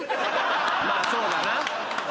まぁそうだな。